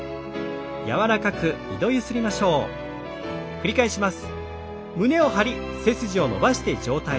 繰り返します。